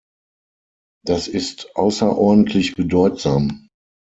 Das ist außerordentlich bedeutsam.